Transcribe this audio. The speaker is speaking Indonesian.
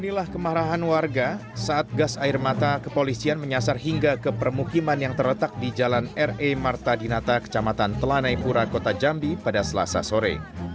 inilah kemarahan warga saat gas air mata kepolisian menyasar hingga ke permukiman yang terletak di jalan re marta dinata kecamatan telanai pura kota jambi pada selasa sore